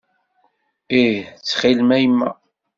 Ih, ttxil-m a yemma.